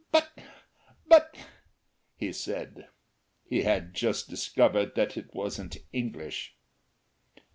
"But but " he said. He had just discovered that it wasn't English.